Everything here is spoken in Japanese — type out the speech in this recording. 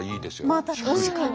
まあ確かに。